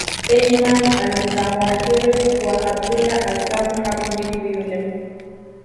Ayman Alzawahiri wa Abdullah Azzam hapo ndipo yule